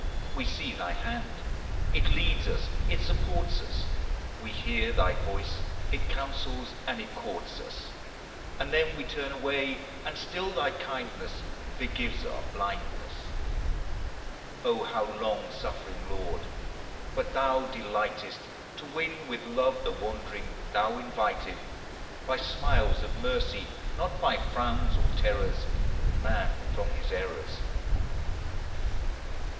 We see thy hand, it leads us, it supports us; We hear thy voice, it counsels and it courts us; And then we turn away; and still thy kindness Forgives our blindness. O, how long suffering, Lord! but thou delightest To win with love the wandering: thou invited, By smiles of mercy, not by frowns or terrors, Man from his errors.